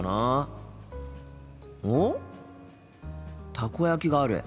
たこ焼きがある。